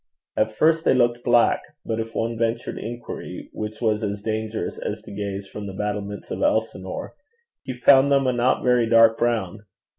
At first they looked black, but if one ventured inquiry, which was as dangerous as to gaze from the battlements of Elsinore, he found them a not very dark brown.